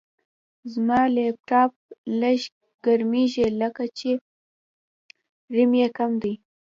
زما لپټاپ لږ ګرمېږي، لکه چې ریم یې کم دی.